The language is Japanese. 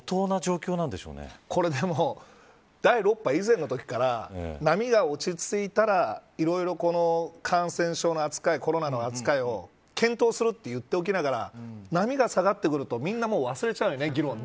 これでも第６波以前のときから波が落ち着いたらいろいろ感染症の扱いコロナの扱いを検討すると言っておきながら波が下がってくるとみんな忘れちゃうよね、議論。